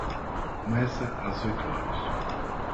Começa às oito horas.